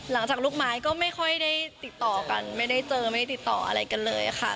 หลังจากลูกไม้ก็ไม่ค่อยได้ติดต่อกันไม่ได้เจอไม่ได้ติดต่ออะไรกันเลยค่ะ